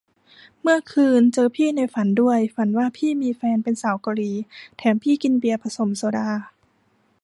เมื่อคืนเจอพี่ในฝันด้วย ฝันว่าพี่มีแฟนเป็นสาวเกาหลี แถมพี่กินเบียร์ผสมโซดา